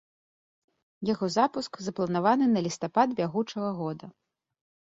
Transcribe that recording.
Яго запуск запланаваны на лістапад бягучага года.